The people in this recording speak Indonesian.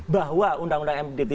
bahwa undang undang md tiga